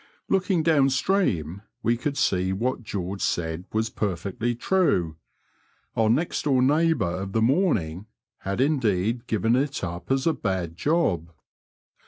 Looking down stream, we could see what George said was perfectly true ; our next door neighbour of the morning had indeed given it up as a bad job.